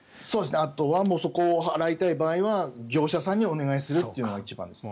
あとはそこを洗いたい場合は業者さんにお願いするのが一番です。